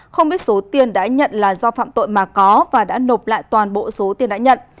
không biết số tiền đã nhận là do phạm tội mà có và đã nộp lại toàn bộ số tiền đã nhận